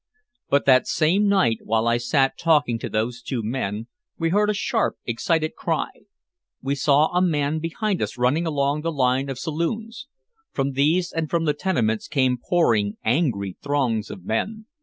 But that same night, while I sat talking to those two men, we heard a sharp excited cry. We saw a man behind us running along the line of saloons. From these and from the tenements came pouring angry throngs of men.